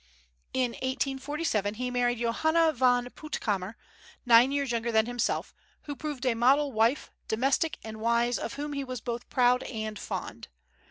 In 1847 he married Johanna von Putkammer, nine years younger than himself, who proved a model wife, domestic and wise, of whom he was both proud and fond.